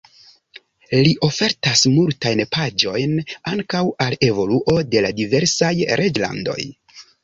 Li ofertas multajn paĝojn ankaŭ al evoluo de la diversaj reĝlandoj.